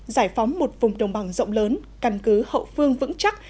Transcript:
giải phóng một vùng đồng bằng rộng lớn căn cứ hậu phương vững chắc